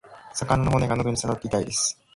魚の骨が喉に刺さって痛いです。